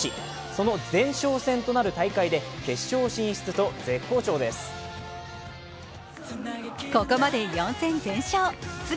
その前哨戦となる大会で決勝進出と絶好調です。